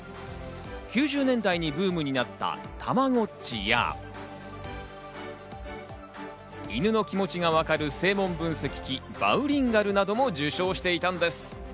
９０年代にブームになったたまごっちや、犬の気持ちがわかる声紋分析機・バウリンガルなども受賞していたんです。